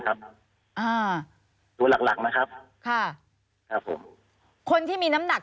ครับอ่าตัวหลักหลักนะครับค่ะครับผมคนที่มีน้ำหนัก